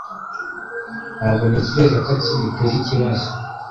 Ntabwo ntekereza ko aricyo gitera ikibazo